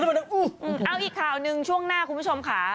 เอาอีกข่าวหนึ่งช่วงหน้าคุณผู้ชมค่ะ